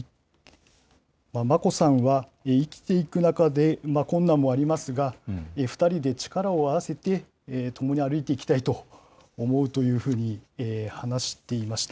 眞子さんは、生きていく中で、困難もありますが、２人で力を合わせて共に歩いていきたいと思うというふうに、話していました。